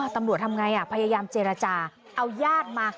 ตำรวจทำไงพยายามเจรจาเอาญาติมา